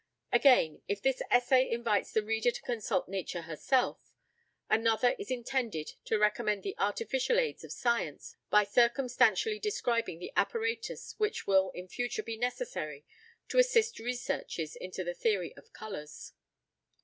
Again, if this essay invites the reader to consult Nature herself, another is intended to recommend the artificial aids of science by circumstantially describing the apparatus which will in future be necessary to assist researches into the theory of colours.